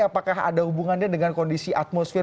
apakah ada hubungannya dengan kondisi atmosfer